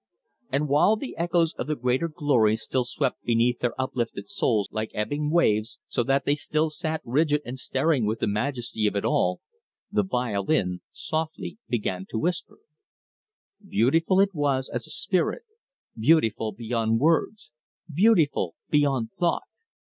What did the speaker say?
And while the echoes of the greater glory still swept beneath their uplifted souls like ebbing waves, so that they still sat rigid and staring with the majesty of it, the violin softly began to whisper. Beautiful it was as a spirit, beautiful beyond words, beautiful beyond thought.